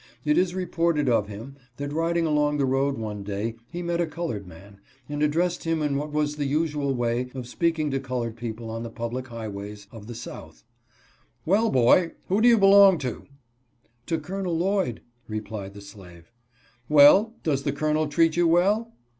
It is reported of him, that, riding 74 A STILL TONGUE MAKES A WISE HEAD. along the road one day, he met a colored man, and addressed him in what was the usual way of speaking to colored people on the public highways of the South :" Well, boy, who do you belong to ?"" To Col. Lloyd," replied the slave. " Well, does the Colonel treat you well?"